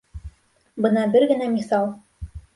Бына бер генә миҫал.